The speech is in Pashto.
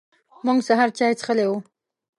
موږ سهار چای څښلی و.